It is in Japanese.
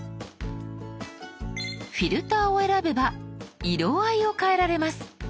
「フィルター」を選べば色合いを変えられます。